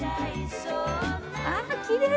ああきれい！